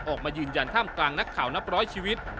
ออกมายืนยันท่ามกลางนักข่าวนับร้อยชีวิต